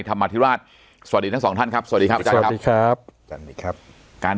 ธรรมธิราชสวัสดีทั้ง๒ท่านครับสวัสดีครับอาจารย์ครับการ